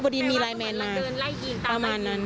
เตรียมว่าเหมือนเดินไล่ยิงประมาณนั้น